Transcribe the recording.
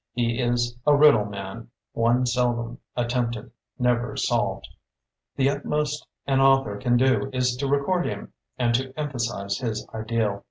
He is a riddle man, one seldom attempted, never solved. The utmost an author can do is to record him, and to empha size his ideal.